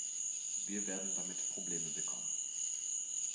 Wir werden damit Probleme bekommen.